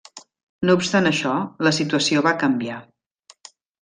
No obstant això, la situació va canviar.